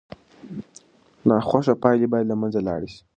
ناخوښه پایلې باید له منځه لاړې سي.